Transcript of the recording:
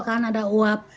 bahkan ada uap